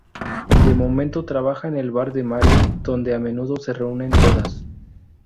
De momento trabaja en el bar de Mario, donde a menudo se reúnen todas.